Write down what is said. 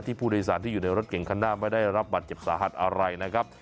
ผู้โดยสารที่อยู่ในรถเก่งคันหน้าไม่ได้รับบัตรเจ็บสาหัสอะไรนะครับ